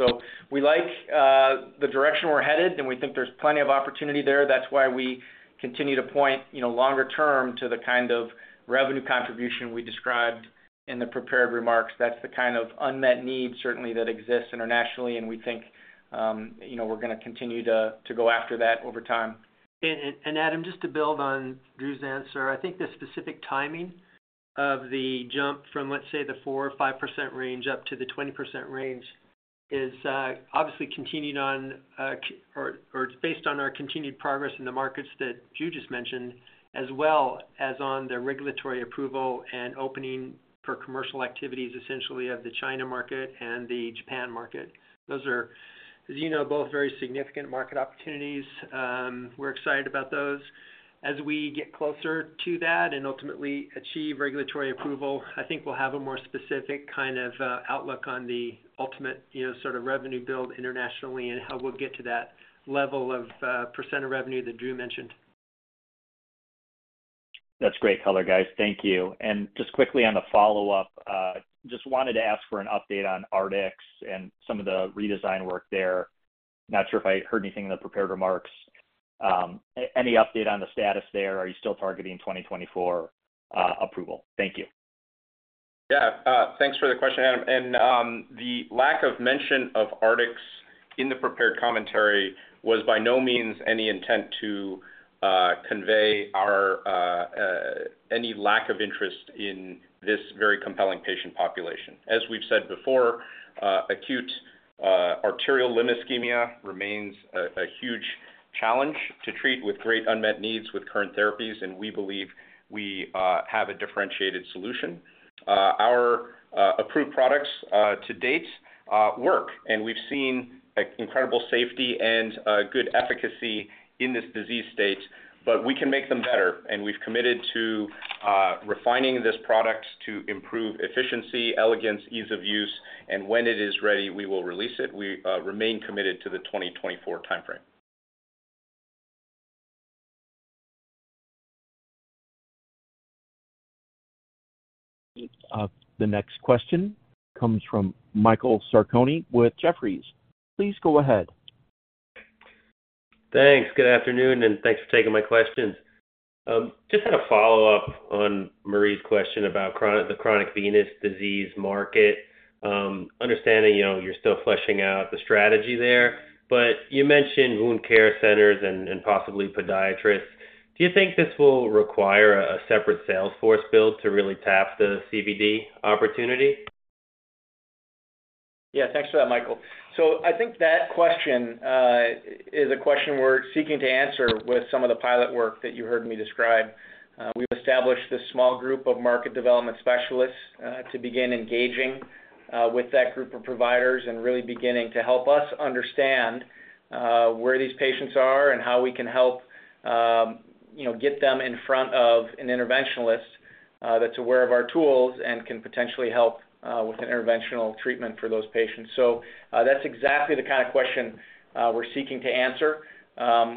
We like the direction we're headed, and we think there's plenty of opportunity there. That's why we continue to point, you know, longer term to the kind of revenue contribution we described in the prepared remarks. That's the kind of unmet need certainly that exists internationally, and we think, you know, we're gonna continue to go after that over time. Adam, just to build on Drew's answer, I think the specific timing of the jump from, let's say, the 4% or 5% range up to the 20% range is obviously continued on, or it's based on our continued progress in the markets that Drew just mentioned, as well as on the regulatory approval and opening for commercial activities, essentially of the China market and the Japan market. Those are, as you know, both very significant market opportunities. We're excited about those. As we get closer to that and ultimately achieve regulatory approval, I think we'll have a more specific kind of outlook on the ultimate, you know, sort of revenue build internationally and how we'll get to that level of percent of revenue that Drew mentioned. That's great color, guys. Thank you. Just quickly on the follow-up, just wanted to ask for an update on Artix and some of the redesign work there. Not sure if I heard anything in the prepared remarks. Any update on the status there? Are you still targeting 2024 approval? Thank you. Yeah, thanks for the question, Adam. The lack of mention of Artix in the prepared commentary was by no means any intent to convey our any lack of interest in this very compelling patient population. As we've said before, acute arterial limb ischemia remains a huge challenge to treat with great unmet needs with current therapies, and we believe we have a differentiated solution. Our approved products to date work, and we've seen incredible safety and good efficacy in this disease state. We can make them better, and we've committed to refining this product to improve efficiency, elegance, ease of use, and when it is ready, we will release it. We remain committed to the 2024 timeframe. The next question comes from Michael Sarcone with Jefferies. Please go ahead. Thanks. Good afternoon, thanks for taking my questions. Just had a follow-up on Marie's question about the chronic venous disease market. Understanding, you know, you're still fleshing out the strategy there, but you mentioned wound care centers and possibly podiatrists. Do you think this will require a separate sales force build to really tap the CVD opportunity? Yeah. Thanks for that, Michael. I think that question, is a question we're seeking to answer with some of the pilot work that you heard me describe. We've established this small group of market development specialists, to begin engaging, with that group of providers and really beginning to help us understand, where these patients are and how we can help, you know, get them in front of an interventionalist, that's aware of our tools and can potentially help, with an interventional treatment for those patients. That's exactly the kind of question, we're seeking to answer.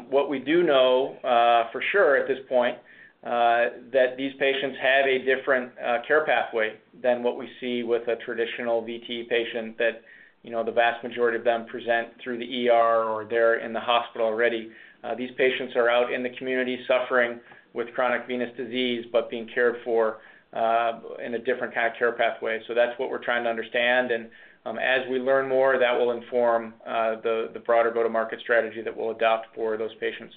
What we do know, for sure at this point, that these patients have a different, care pathway than what we see with a traditional VT patient that, you know, the vast majority of them present through the ER or they're in the hospital already. These patients are out in the community suffering with chronic venous disease, but being cared for, in a different kind of care pathway. That's what we're trying to understand. As we learn more, that will inform, the, the broader go-to-market strategy that we'll adopt for those patients.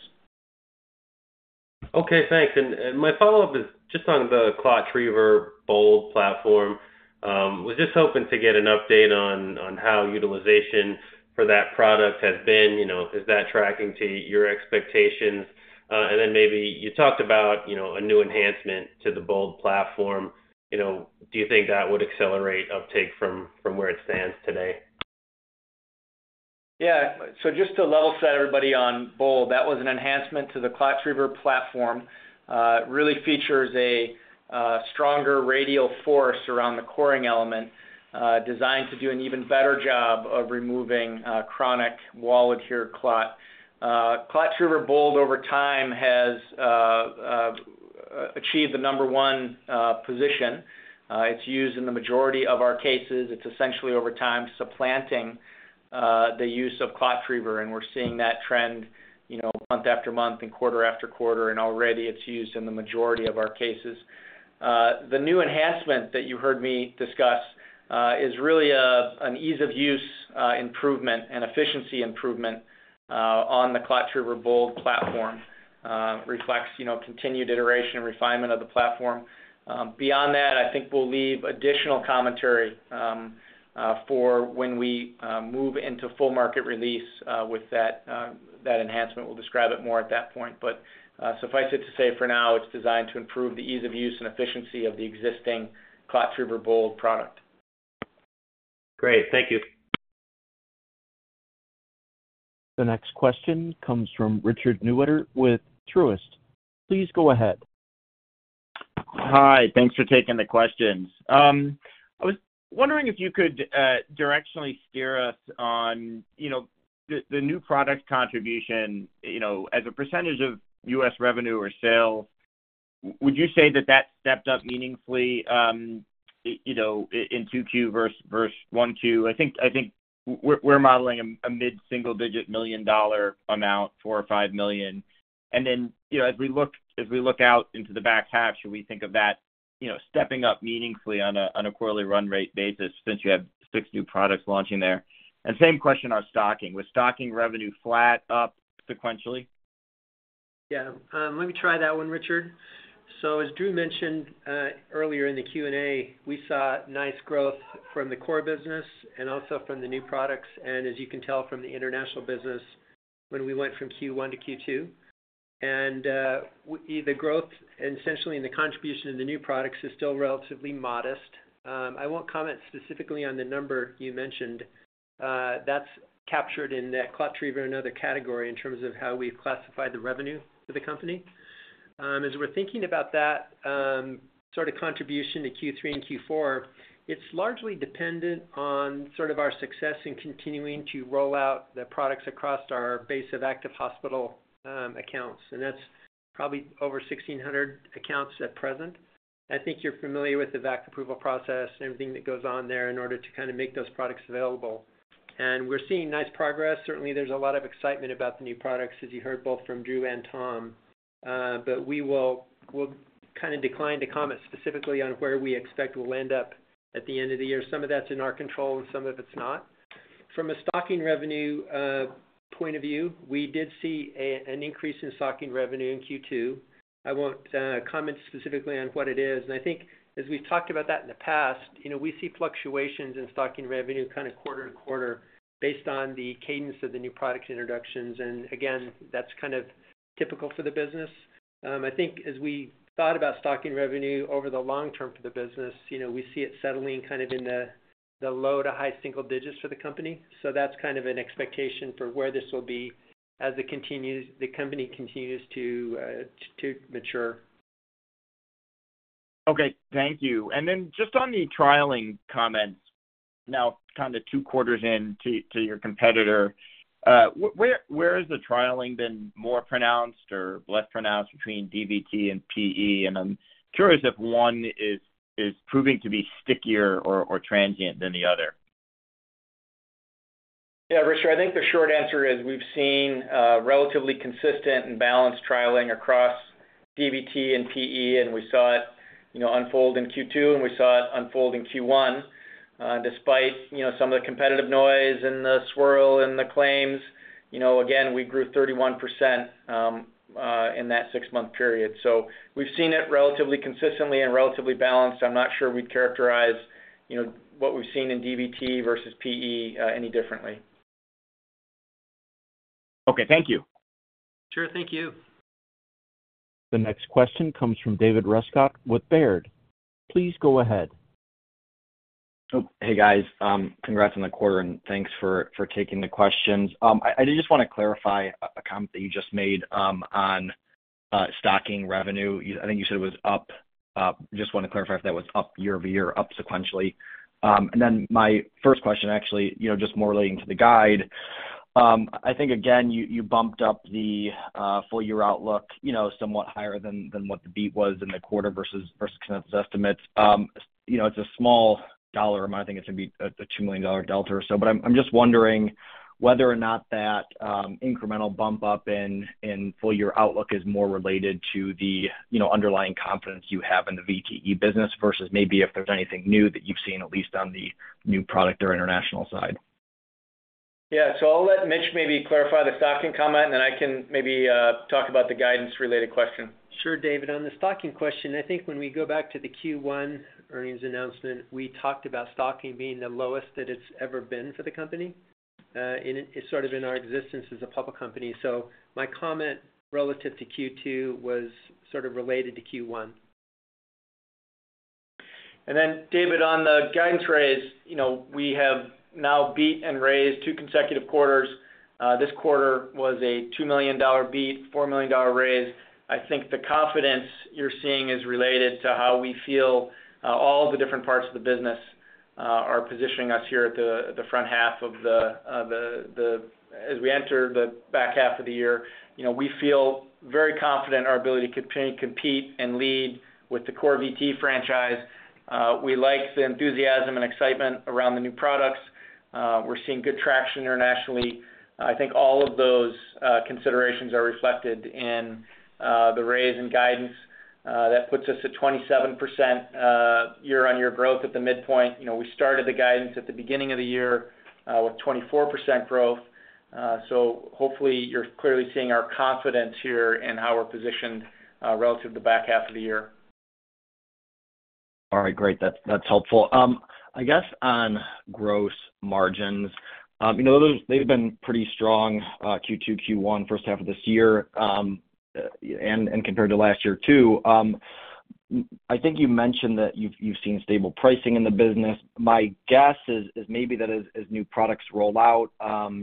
Okay, thanks. My follow-up is just on the ClotTriever BOLD platform. Was just hoping to get an update on, on how utilization for that product has been. You know, is that tracking to your expectations? Then maybe you talked about, you know, a new enhancement to the BOLD platform. You know, do you think that would accelerate uptake from, from where it stands today? Yeah. Just to level set everybody on BOLD, that was an enhancement to the ClotTriever platform. It really features a stronger radial force around the coring element, designed to do an even better job of removing chronic wall-adhered clot. ClotTriever BOLD over time has achieved the number one position. It's used in the majority of our cases. It's essentially over time supplanting the use of ClotTriever, and we're seeing that trend, you know, month after month and quarter after quarter, and already it's used in the majority of our cases. The new enhancement that you heard me discuss is really an ease of use improvement and efficiency improvement on the ClotTriever BOLD platform. Reflects, you know, continued iteration and refinement of the platform. Beyond that, I think we'll leave additional commentary for when we move into full market release with that enhancement. We'll describe it more at that point, but suffice it to say for now, it's designed to improve the ease of use and efficiency of the existing ClotTriever BOLD product. Great. Thank you. The next question comes from Richard Newitter with Truist. Please go ahead. Hi. Thanks for taking the questions. I was wondering if you could directionally steer us on, you know, the, the new product contribution, you know, as a percentage of U.S. revenue or sales, would you say that that stepped up meaningfully, you know, in, in Q2 versus, versus Q1? I think, I think we're, we're modeling a mid-single digit million dollar amount, $4 or 5 million. Then, you know, as we look out into the back half, should we think of that, you know, stepping up meaningfully on a, on a quarterly run rate basis since you have six new products launching there? Same question on stocking. Was stocking revenue flat up sequentially? Yeah. Let me try that one, Richard. As Drew mentioned earlier in the Q&A, we saw nice growth from the core business and also from the new products, and as you can tell from the international business, when we went from Q1 to Q2. The growth and essentially in the contribution of the new products is still relatively modest. I won't comment specifically on the number you mentioned. That's captured in that ClotTriever, another category in terms of how we've classified the revenue for the company. As we're thinking about that sort of contribution to Q3 and Q4, it's largely dependent on sort of our success in continuing to roll out the products across our base of active hospital accounts, and that's probably over 1,600 accounts at present. I think you're familiar with the VAC approval process and everything that goes on there in order to kind of make those products available. We're seeing nice progress. Certainly, there's a lot of excitement about the new products, as you heard both from Drew and Tom. We will-- we'll kind of decline to comment specifically on where we expect we'll end up at the end of the year. Some of that's in our control, and some of it's not. From a stocking revenue point of view, we did see a, an increase in stocking revenue in Q2. I won't comment specifically on what it is. I think as we've talked about that in the past, you know, we see fluctuations in stocking revenue kind of quarter to quarter based on the cadence of the new product introductions. Again, that's kind of typical for the business. I think as we thought about stocking revenue over the long term for the business, you know, we see it settling kind of in the low to high single digits for the company. That's kind of an expectation for where this will be as it continues, the company continues to mature. Okay, thank you. Just on the trialing comments, now, kind of two quarters in to, your competitor, where, where has the trialing been more pronounced or less pronounced between DVT and PE? I'm curious if one is, is proving to be stickier or, or transient than the other. Yeah, Richard, I think the short answer is we've seen relatively consistent and balanced trialing across DVT and PE. We saw it, you know, unfold in Q2, and we saw it unfold in Q1. Despite, you know, some of the competitive noise and the swirl and the claims, you know, again, we grew 31% in that six-month period. We've seen it relatively consistently and relatively balanced. I'm not sure we'd characterize, you know, what we've seen in DVT versus PE any differently. Okay, thank you. Sure. Thank you. The next question comes from David Rescott with Baird. Please go ahead. Oh, hey, guys. Congrats on the quarter, and thanks for, for taking the questions. I, I just want to clarify a comment that you just made on stocking revenue. I think you said it was up, up. Just want to clarify if that was up year-over-year, up sequentially. Then my first question, actually, you know, just more relating to the guide. I think, again, you, you bumped up the full year outlook, you know, somewhat higher than, than what the beat was in the quarter versus, versus consensus estimates. You know, it's a small dollar amount. I think it's going to be a, a $2 million delta or so. I'm just wondering whether or not that incremental bump up in, in full year outlook is more related to the, you know, underlying confidence you have in the VTE business, versus maybe if there's anything new that you've seen, at least on the new product or international side. Yeah. I'll let Mitch maybe clarify the stocking comment, and then I can maybe talk about the guidance-related question. Sure, David. On the stocking question, I think when we go back to the Q1 Earnings Announcement, we talked about stocking being the lowest that it's ever been for the company, and it is sort of in our existence as a public company. My comment relative to Q2 was sort of related to Q1. David, on the guidance raise, you know, we have now beat and raised two consecutive quarters. This quarter was a $2 beat, 4 million raise. I think the confidence you're seeing is related to how we feel, all the different parts of the business, are positioning us here at the front half of the year. As we enter the back half of the year, you know, we feel very confident in our ability to compete, compete and lead with the core VTE franchise. We like the enthusiasm and excitement around the new products. We're seeing good traction internationally. I think all of those considerations are reflected in the raise in guidance. That puts us at 27%, year-on-year growth at the midpoint. You know, we started the guidance at the beginning of the year, with 24% growth. Hopefully, you're clearly seeing our confidence here and how we're positioned, relative to the back half of the year. All right, great. That's, that's helpful. I guess on gross margins, you know, those, they've been pretty strong, Q2, Q1, first half of this year, and compared to last year, too. I think you mentioned that you've, you've seen stable pricing in the business. My guess is, is maybe that as, as new products roll out,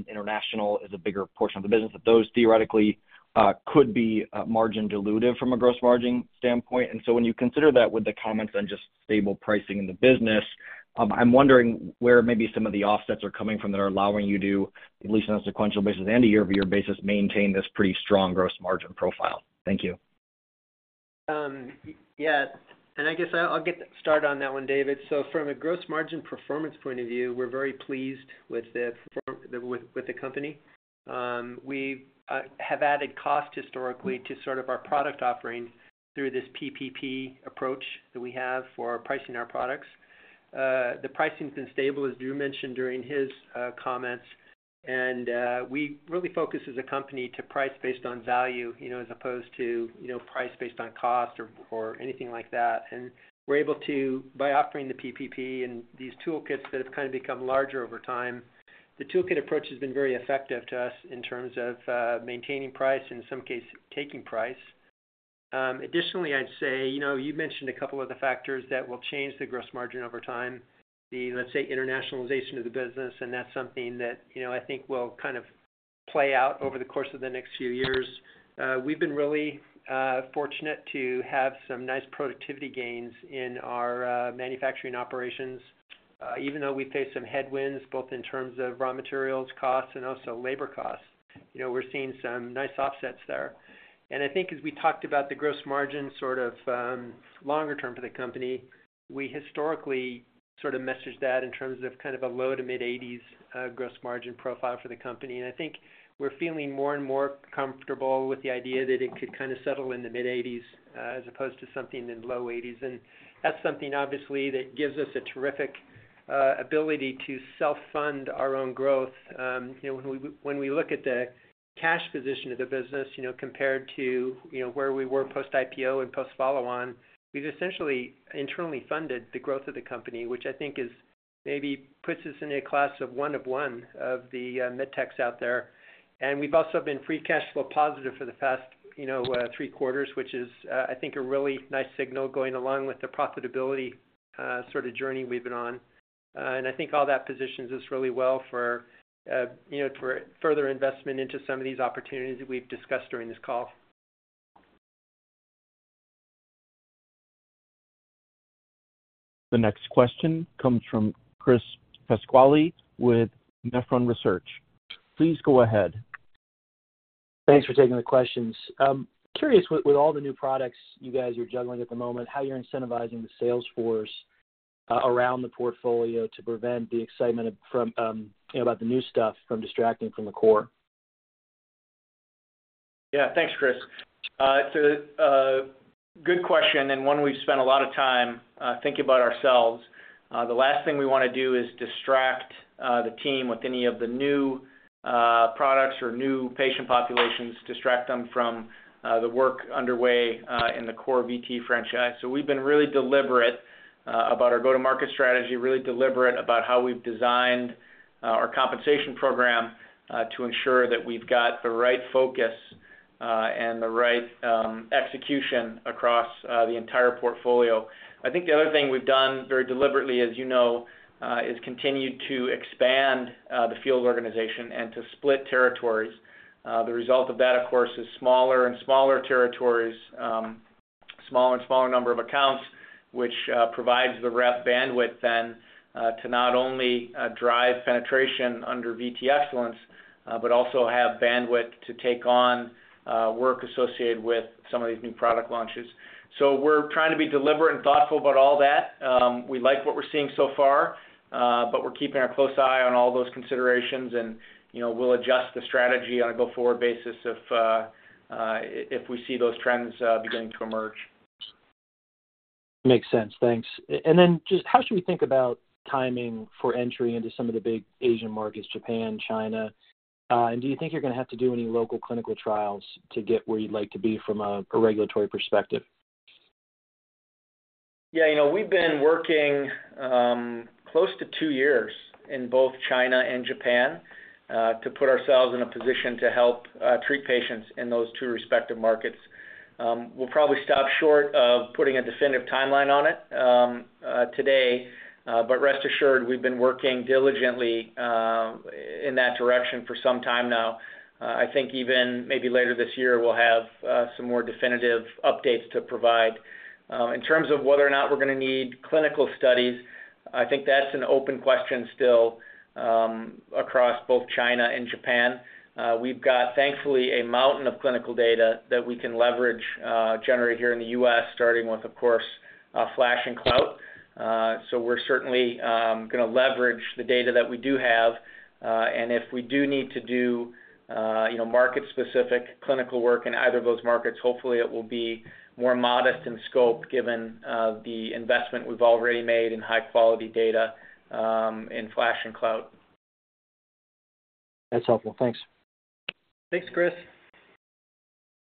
international is a bigger portion of the business, that those theoretically could be margin dilutive from a gross margin standpoint. When you consider that with the comments on just stable pricing in the business, I'm wondering where maybe some of the offsets are coming from that are allowing you to, at least on a sequential basis and a year-over-year basis, maintain this pretty strong gross margin profile. Thank you. Yeah, I guess I'll, I'll get started on that one, David. From a gross margin performance point of view, we're very pleased with the with, with the company. We have added cost historically to sort of our product offerings through this PPP approach that we have for pricing our products. The pricing's been stable, as Drew mentioned during his comments. We really focus as a company to price based on value, you know, as opposed to, you know, price based on cost or, or anything like that. We're able to, by offering the PPP and these toolkits that have kind of become larger over time, the toolkit approach has been very effective to us in terms of maintaining price, in some cases, taking price. Additionally, I'd say, you know, you mentioned a couple of the factors that will change the gross margin over time. The, let's say, internationalization of the business, and that's something that, you know, I think will kind of play out over the course of the next few years. We've been really fortunate to have some nice productivity gains in our manufacturing operations, even though we face some headwinds, both in terms of raw materials costs and also labor costs. You know, we're seeing some nice offsets there. I think as we talked about the gross margin sort of, longer term for the company, we historically sort of messaged that in terms of kind of a low to mid-80s, gross margin profile for the company. I think we're feeling more and more comfortable with the idea that it could kind of settle in the mid-80s, as opposed to something in low 80s. That's something, obviously, that gives us a terrific ability to self-fund our own growth. You know, when we, when we look at the cash position of the business, you know, compared to, you know, where we were post-IPO and post-follow-on, we've essentially internally funded the growth of the company, which I think is maybe puts us in a class of one of one of the med-techs out there. We've also been free cash flow positive for the past, you know, three quarters, which is, I think, a really nice signal going along with the profitability sort of journey we've been on. I think all that positions us really well for, you know, for further investment into some of these opportunities that we've discussed during this call. The next question comes from Chris Pasquale with Nephron Research. Please go ahead. Thanks for taking the questions. Curious, with, with all the new products you guys are juggling at the moment, how you're incentivizing the sales force around the portfolio to prevent the excitement of from, you know, about the new stuff from distracting from the core? Yeah. Thanks, Chris. It's a good question, and one we've spent a lot of time thinking about ourselves. The last thing we wanna do is distract the team with any of the new products or new patient populations, distract them from the work underway in the core VT franchise. We've been really deliberate about our go-to-market strategy, really deliberate about how we've designed our compensation program to ensure that we've got the right focus and the right execution across the entire portfolio. I think the other thing we've done very deliberately, as you know, is continued to expand the field organization and to split territories. The result of that, of course, is smaller and smaller territories, smaller and smaller number of accounts, which provides the rep bandwidth then to not only drive penetration under VT Excellence, but also have bandwidth to take on work associated with some of these new product launches. We're trying to be deliberate and thoughtful about all that. We like what we're seeing so far, but we're keeping a close eye on all those considerations and, you know, we'll adjust the strategy on a go-forward basis if we see those trends beginning to emerge. Makes sense. Thanks. Then just how should we think about timing for entry into some of the big Asian markets, Japan, China? Do you think you're gonna have to do any local clinical trials to get where you'd like to be from a regulatory perspective? Yeah, you know, we've been working close to two years in both China and Japan to put ourselves in a position to help treat patients in those two respective markets. We'll probably stop short of putting a definitive timeline on it today. Rest assured, we've been working diligently in that direction for some time now. I think even maybe later this year, we'll have some more definitive updates to provide. In terms of whether or not we're gonna need clinical studies, I think that's an open question still across both China and Japan. We've got, thankfully, a mountain of clinical data that we can leverage, generated here in the U.S., starting with, of course, FLASH and ClotTriever. We're certainly gonna leverage the data that we do have. If we do need to do, you know, market-specific clinical work in either of those markets, hopefully it will be more modest in scope, given the investment we've already made in high quality data, in FLASH and ClotTriever. That's helpful. Thanks. Thanks, Chris.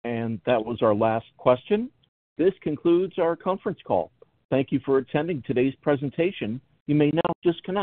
That was our last question. This concludes our conference call. Thank you for attending today's presentation. You may now disconnect.